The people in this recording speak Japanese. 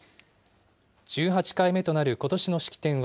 １８回目となることしの式典は、